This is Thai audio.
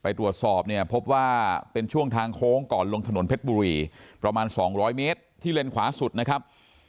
ตรวจสอบเนี่ยพบว่าเป็นช่วงทางโค้งก่อนลงถนนเพชรบุรีประมาณ๒๐๐เมตรที่เลนขวาสุดนะครับ